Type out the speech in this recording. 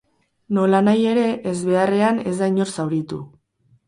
Nolanahi ere, ezbeharrean ez da inor zauritu.